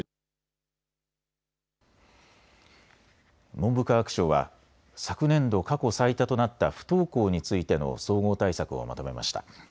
文部科学省は昨年度、過去最多となった不登校についての総合対策をまとめました。